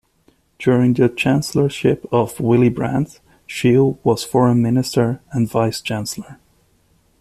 During the Chancellorship of Willy Brandt, Scheel was Foreign Minister and Vice Chancellor.